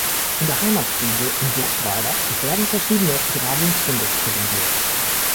In der Heimatstube in Wustweiler werden verschiedene Grabungsfunde präsentiert.